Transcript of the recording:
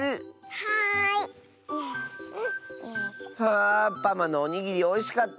はあパマのおにぎりおいしかった！